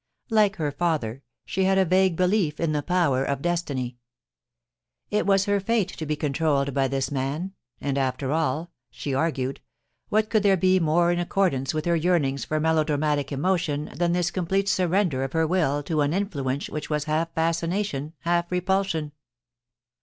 Like her father, she had a vague belief in the power of Destiny. It was her fate to be controlled by this man ; and after all, she argued, what could there be more in accordance with her yearnings for melodramatic emotion than this complete surrender of her will to an influence which was half fascina tion, half repulsion